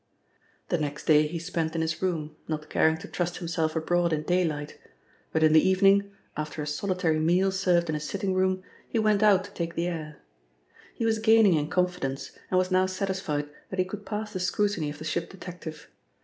The next day he spent in his room, not caring to trust himself abroad in daylight, but in the evening, after a solitary meal served in his sitting room, he went out to take the air. He was gaining in confidence, and was now satisfied that he could pass the scrutiny of the ship detective.